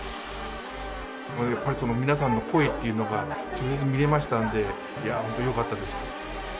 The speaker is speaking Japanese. やっぱり皆さんの声っていうのが、直接見れましたんで、いや、本当によかったです。